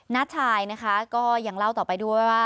น้าชายนะคะก็ยังเล่าต่อไปด้วยว่า